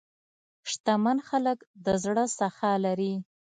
شتمن خلک د زړه سخا لري.